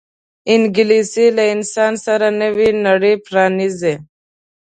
انګلیسي له انسان سره نوې نړۍ پرانیزي